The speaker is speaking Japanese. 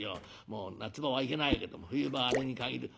もう夏場はいけないけども冬場はあれに限る。